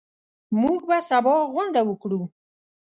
موږ به سبا غونډه وکړو.